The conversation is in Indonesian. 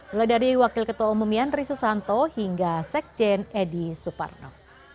mulai dari wakil ketua umumian risu santo hingga sekjen edi suparno